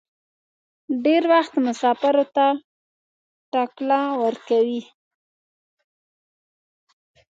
ډېر وخت مسافرو ته ټکله ورکوي.